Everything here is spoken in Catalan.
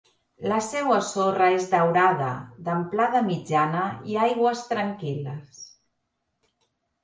La seua sorra és daurada, d'amplada mitjana i aigües tranquil·les.